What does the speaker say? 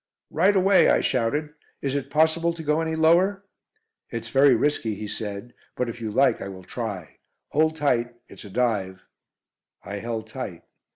"Right away," I shouted. "Is it possible to go any lower?" "It's very risky," he said, "but if you like I will try. Hold tight, it's a dive." I held tight.